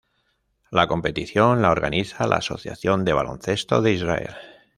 La competición la organiza la Asociación de baloncesto de Israel.